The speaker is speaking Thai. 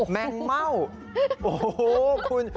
แมงเม่าโอ้โหคุณ